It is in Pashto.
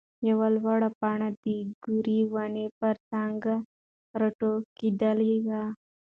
يوه لوړه پاڼه د ګورې ونې پر څانګه راټوکېدلې ده.